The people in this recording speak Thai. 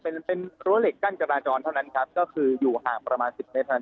เป็นรั้วเหล็กกั้นจราจรเท่านั้นครับก็คืออยู่ห่างประมาณ๑๐เมตรครับ